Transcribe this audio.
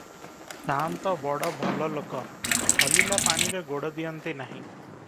ସାଆନ୍ତ ବଡ଼ ଭଲଲୋକ, ହଲିଲା ପାଣିରେ ଗୋଡ଼ ଦିଅନ୍ତି ନାହିଁ ।